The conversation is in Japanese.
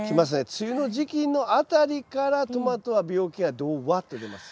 梅雨の時期のあたりからトマトは病気がどわっと出ます。